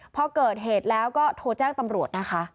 พอเกิดเหตุแล้วก็โทรแจ้งตำรวจนะคะ